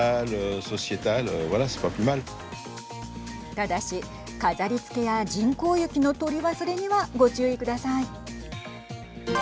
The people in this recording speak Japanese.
ただし、飾りつけや人工雪の取り忘れにはご注意ください。